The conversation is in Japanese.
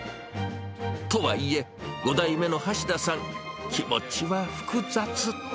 とはいえ、５代目の橋田さん、気持ちは複雑。